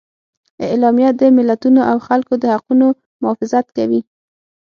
اعلامیه د ملتونو او خلکو د حقونو محافظت کوي.